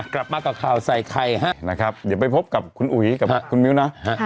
กลับมากับข่าวใส่ไข่ฮะนะครับเดี๋ยวไปพบกับคุณอุ๋ยกับคุณมิ้วนะ